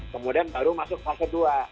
kemudian baru masuk fase dua